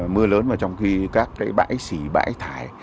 mưa lớn mà trong khi các cái bãi xỉ bãi thải